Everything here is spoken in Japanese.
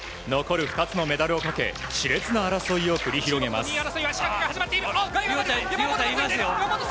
残る２つのメダルをかけ熾烈な争いを繰り広げます。